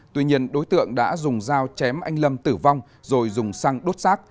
tuy nhiên đối tượng đã dùng dao chém anh lâm tử vong rồi dùng xăng đốt xác